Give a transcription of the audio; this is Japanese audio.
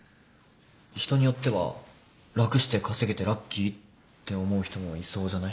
人によっては楽して稼げてラッキーって思う人もいそうじゃない？